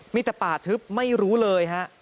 มีแต่ป่าทึบไม่รู้เลยฮะ